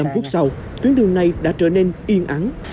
một mươi năm phút sau tuyến đường này đã trở nên yên ắn